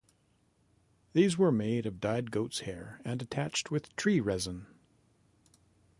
These were made of dyed goat's hair and attached with tree resin.